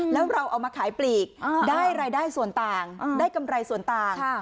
แล้วเราเอามาขายปลีกได้รายได้ส่วนต่างได้กำไรส่วนต่าง